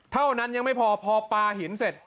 เท่านั้นยังไม่พอพอปลาหินเสร็จ